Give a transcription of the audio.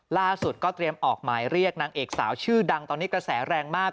ล่าสุดก็เตรียมออกหมายเรียกนางเอกสาวชื่อดังตอนนี้กระแสแรงมาก